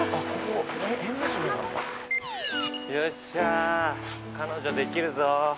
よっしゃ彼女できるぞ。